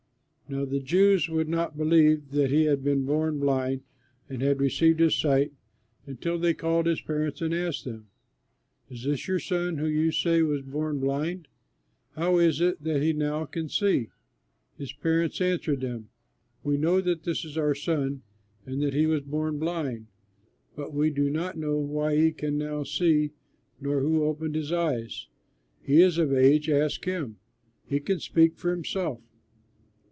Now the Jews would not believe that he had been born blind and had received his sight until they called his parents and asked them, "Is this your son who you say was born blind? How is it that he now can see?" His parents answered them, "We know that this is our son and that he was born blind, but we do not know why he can now see nor who opened his eyes. He is of age; ask him, he can speak for himself."